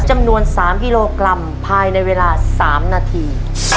จำนวน๓กิโลกรัมภายในเวลา๓นาที